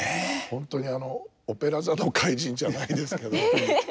本当にあの「オペラ座の怪人」じゃないですけど。え。